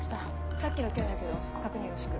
さっきの件だけど確認よろしく。